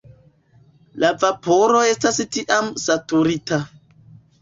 La vaporo estas tiam "saturita".